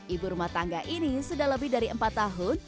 ibu rumah tangga ini sudah lebih dari empat tahun